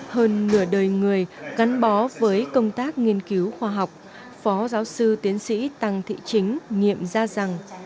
hơn nửa đời người gắn bó với công tác nghiên cứu khoa học phó giáo sư tiến sĩ tăng thị chính nhiệm ra rằng